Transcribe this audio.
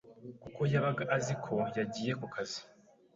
kuko yabaga azi ko yagiye ku kazi